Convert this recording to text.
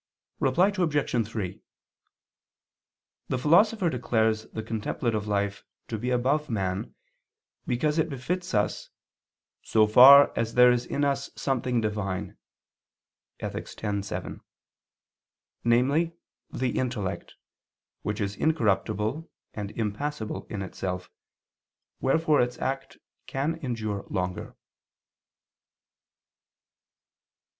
Reply Obj. 3: The Philosopher declares the contemplative life to be above man, because it befits us "so far as there is in us something divine" (Ethic. x, 7), namely the intellect, which is incorruptible and impassible in itself, wherefore its act can endure longer.